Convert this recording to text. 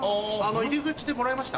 入り口でもらいました？